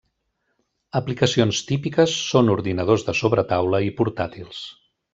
Aplicacions típiques són ordinadors de sobretaula i portàtils.